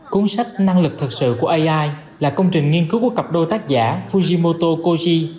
cuốn sách năng lực thực sự của ai là công trình nghiên cứu của cặp đôi tác giả fujimoto koji